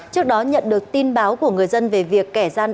trước đó nhận được tin báo của người dân về việc kẻ gian